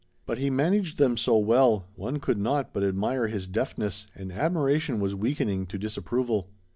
But he managed them so well; one could not but admire his deftness, and admiration was weakening to disapproval.